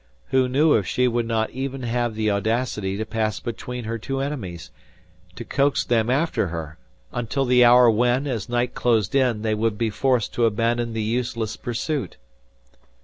Who knew if she would not even have the audacity to pass between her two enemies, to coax them after her, until the hour when, as night closed in, they would be forced to abandon the useless pursuit!